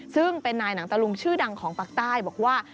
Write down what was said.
ซึ่งเป็นนายหนังตะลุงชื่อดังของปากใต้บอกว่า